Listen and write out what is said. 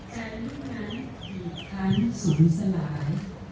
ใจลูกนั้นหยุดท้ายลูกสูงสลาย